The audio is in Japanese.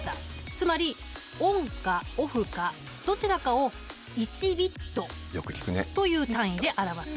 つまりＯＮかＯＦＦかどちらかを１ｂｉｔという単位で表す。